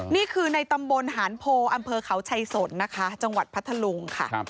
นี่คือในตำบลหานโพอำเภอเขาชัยสนนะคะจังหวัดพัทธลุงค่ะ